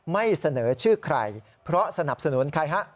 ไม่เสนอชื่อใครเพราะสนับสนุนใครฮะ